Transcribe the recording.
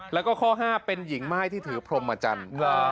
แล้วก็ข้อ๕เป็นหญิงม่ายที่ถือพรมจันทร์